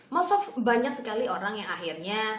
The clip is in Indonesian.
most of banyak sekali orang yang akhirnya